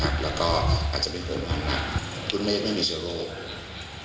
อาจจะเป็นโรงพยาบาลคุณเมกไม่มีเจ้าโรฑ